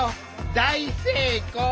大成功！